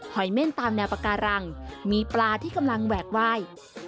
อยเม่นตามแนวปาการังมีปลาที่กำลังแหวกไหว้